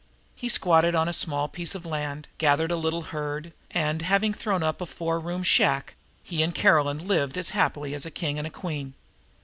He squatted on a small piece of land, gathered a little herd, and, having thrown up a four room shack, he and Caroline lived as happily as king and queen.